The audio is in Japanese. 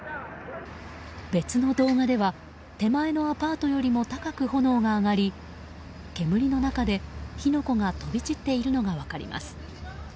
別の動画では手前のアパートよりも高く炎が上がり煙の中で火の粉が飛び散っているのが分かります。